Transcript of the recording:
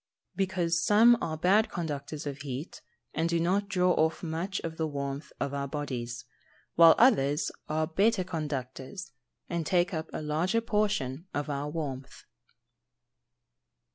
_ Because some are bad conductors of heat, and do not draw off much of the warmth of our bodies; while others are better conductors, and take up a larger portion of our warmth.